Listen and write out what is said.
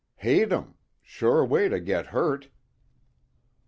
"Hate 'em. Sure way to get hurt."